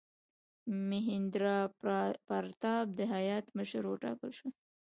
میهندراپراتاپ د هیات مشر وټاکل شو.